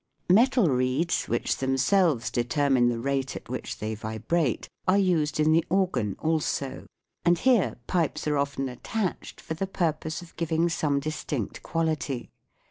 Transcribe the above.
Metal reeds which themselves determine the rate at which they vibrate are used in the organ SOUNDS OF THE SEA 153 also ; and here pipes are often attached for the purpose of giving some distinct quality.